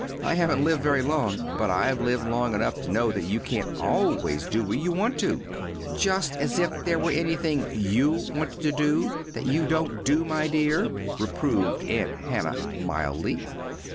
"I haven't lived very long, but I've lived long enough to know that you can't always do what you want to." "Just as if there were anything you wanted to do that you don't do, my dear," reproved Aunt Hannah, mildly.